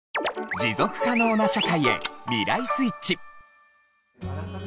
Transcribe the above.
持続可能な社会へ「未来スイッチ」！